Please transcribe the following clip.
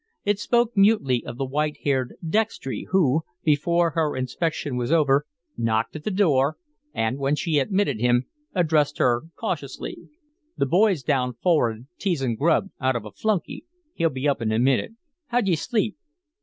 It spoke mutely of the white haired Dextry, who, before her inspection was over, knocked at the door, and, when she admitted him, addressed her cautiously: "The boy's down forrad, teasin' grub out of a flunky. He'll be up in a minute. How'd ye sleep?"